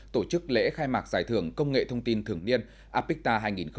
tổ chức lễ khai mạc giải thưởng công nghệ thông tin thường niên apecta hai nghìn một mươi chín